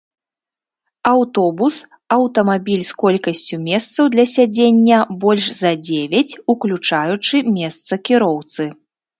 аўтобус — аўтамабіль з колькасцю месцаў для сядзення больш за дзевяць, уключаючы месца кіроўцы